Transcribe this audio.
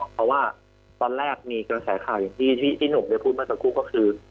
เพราะว่าตอนแรกมีกระแสข่าวอย่างที่พี่หนุ่มได้พูดเมื่อสักครู่ก็คือ